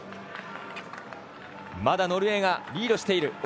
まだノルウェーがリードしている。